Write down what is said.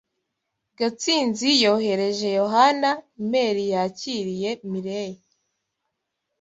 Gatsinzi yohereje Yohana imeri yakiriye Mirelle.